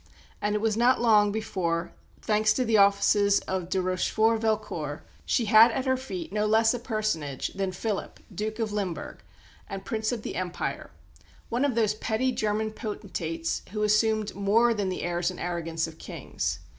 And it was not long before, thanks to the offices of de Rochefort Velcourt, she had at her feet no less a personage than Philip, Duke of Limburg, and Prince of the Empire, one of those petty German potentates who assumed more than the airs and arrogance of kings.